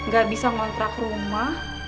gak bisa ngontrak rumah